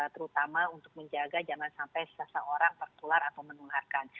terutama untuk menjaga jangan sampai seseorang tertular atau menularkan